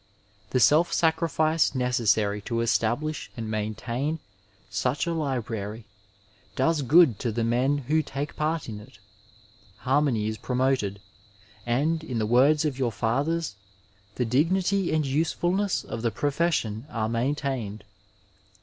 The self sacrifice necessary to establish and maintain such a library does good to the men who take part in it ; harmony is promoted, and, in the words of your fathers, the dignity and usefulness of the profession are maintained.